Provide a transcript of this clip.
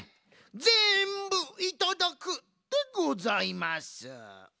ぜんぶいただくでございます！